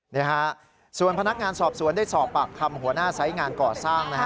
นี่ฮะส่วนพนักงานสอบสวนได้สอบปากคำหัวหน้าไซส์งานก่อสร้างนะฮะ